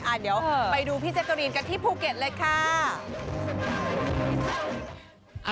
เดี๋ยวไปดูพี่แจ๊กกะรีนกันที่ภูเก็ตเลยค่ะ